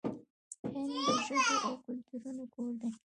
هند د ژبو او کلتورونو کور دی.